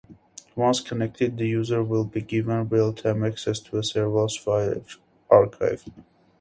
Once connected, the user will be given realtime access to a server's file archive.